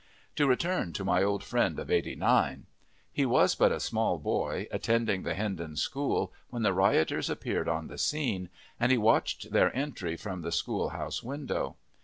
To return to my old friend of eighty nine. He was but a small boy, attending the Hindon school, when the rioters appeared on the scene, and he watched their entry from the schoolhouse window.